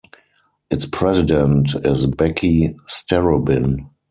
Its president is Becky Starobin.